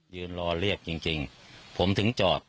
ยืนรอเรียกจริงผมถึงจอด